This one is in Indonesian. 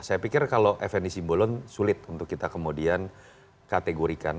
saya pikir kalau fnd simbolon sulit untuk kita kemudian kategorikan